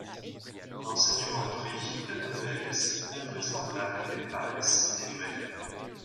«Renseignements pris, la nouvelle, si invraisemblable qu'elle paraisse, est vraie.